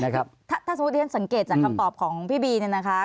ถ้าสมมุติเรียนสังเกตจากคำตอบของพี่บีเนี่ยนะคะ